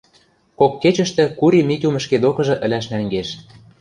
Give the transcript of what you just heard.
Кок кечӹштӹ Кури Митюм ӹшке докыжы ӹлӓш нӓнгеш.